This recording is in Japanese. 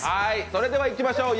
それではいきましょう